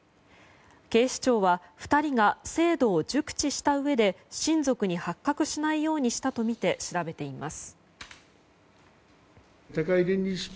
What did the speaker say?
警視庁は２人が制度を熟したうえで親族に発覚しないようにしたとみて調べています。